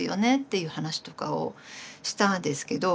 いう話とかをしたんですけど。